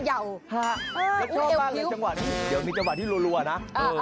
ชอบบ้างเหรอจังหวะนี้มีจังหวะที่ลัวนะ